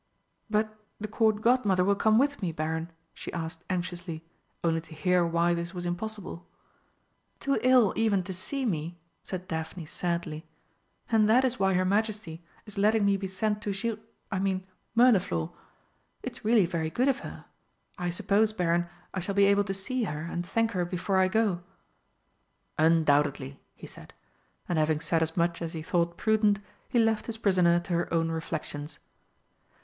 "But the Court Godmother will come with me, Baron?" she asked anxiously, only to hear why this was impossible. "Too ill even to see me!" said Daphne sadly. "And that is why her Majesty is letting me be sent to Gir I mean, Mirliflor? It's really very good of her. I suppose, Baron, I shall be able to see her and thank her before I go?" "Undoubtedly," he said, and, having said as much as he thought prudent, he left his prisoner to her own reflections.